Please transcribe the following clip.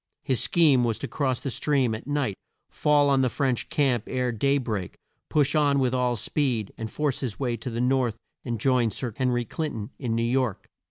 His scheme was to cross the stream at night, fall on the French camp ere day break, push on with all speed, and force his way to the north and join Sir Hen ry Clin ton in New York.